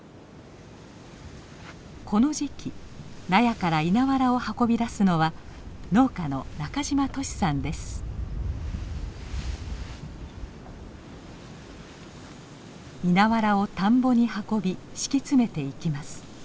この時期納屋から稲わらを運び出すのは農家の稲わらを田んぼに運び敷き詰めていきます。